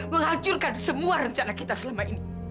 menghancurkan semua rencana kita selama ini